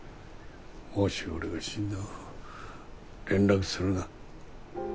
もし俺が死んでも連絡するな